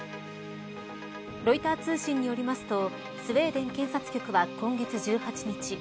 ロイター通信によりますとスウェーデン検察局は今月１８日